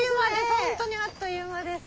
本当にあっという間です。